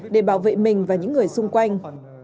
để bảo vệ mình và những người xung quanh